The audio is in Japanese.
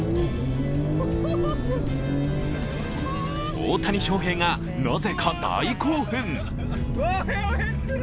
大谷翔平が、なぜか大興奮。